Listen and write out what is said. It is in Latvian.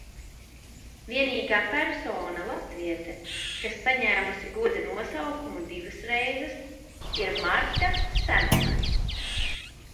Vienīgā persona, latviete, kas saņēmusi goda nosaukumu divas reizes, ir Marta Semule.